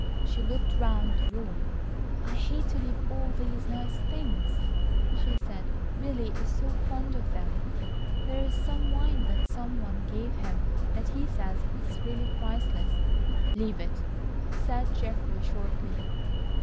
She looked round the room. "I hate to leave all these nice things," she said. "Billy is so fond of them. There is some wine that some one gave him that he says is really priceless." "Leave it," said Geoffrey shortly.